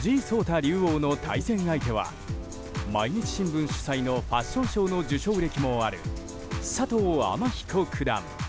竜王の対戦相手は毎日新聞主催のファッションショーの受賞歴もある佐藤天彦九段。